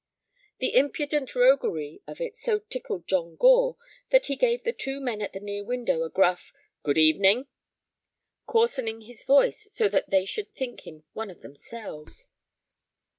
The impudent roguery of it so tickled John Gore that he gave the two men at the near window a gruff "Goodevening," coarsening his voice so that they should think him one of themselves.